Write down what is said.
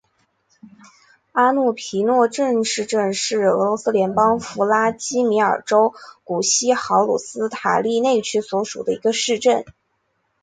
阿诺皮诺镇市镇是俄罗斯联邦弗拉基米尔州古西赫鲁斯塔利内区所属的一个市镇。